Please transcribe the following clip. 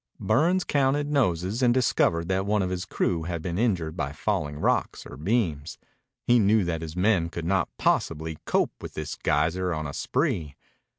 Burns counted noses and discovered that none of his crew had been injured by falling rocks or beams. He knew that his men could not possibly cope with this geyser on a spree.